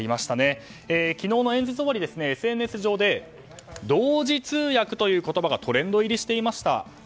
昨日の演説後に、ＳＮＳ上で同時通訳という言葉がトレンド入りしていました。